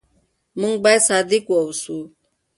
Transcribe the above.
موږ باید صادق واوسو.